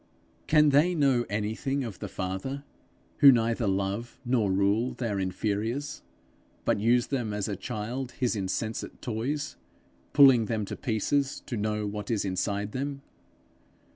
Can they know anything of the Father who neither love nor rule their inferiors, but use them as a child his insensate toys, pulling them to pieces to know what is inside them?